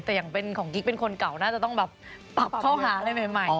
แต่อย่างเป็นของกิ๊กเป็นคนเก่าน่าจะต้องแบบปรับเข้าหาอะไรใหม่